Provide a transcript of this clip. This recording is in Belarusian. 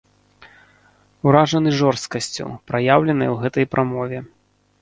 Уражаны жорсткасцю, праяўленай у гэтай прамове.